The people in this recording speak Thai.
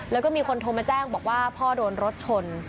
แล้วก็มีคนโทรมาแจ้งบอกว่าพ่อโดนรถชน